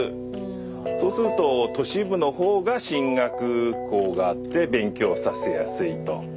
そうすると都市部の方が進学校があって勉強させやすいと。